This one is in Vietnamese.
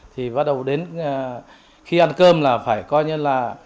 thì bắt đầu đến khi ăn cơm là phải coi như là